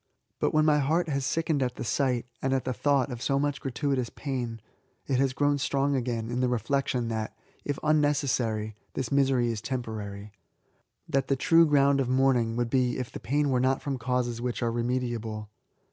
But when my heart has sickened at the sight, and at the thought of so much gratuitous pain, it has grown strong again in the reflection that, if unnecessary, this misery is temporary, — that the true ground of mourning would be if the pain were not from causes which are remediable.